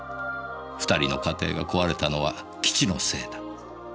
２人の家庭が壊れたのは基地のせいだ。